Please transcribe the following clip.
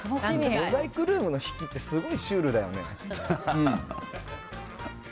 モザイクルームの引きってすごいシュールだよね。